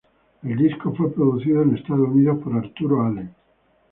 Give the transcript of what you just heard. El disco fue producido en Estados Unidos por Arturo Allen.